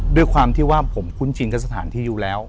ด้วยความที่ว่าผมคุ้นชินกับสถานที่อยู่แล้ว